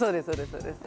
そうです